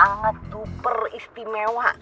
sangat duper istimewa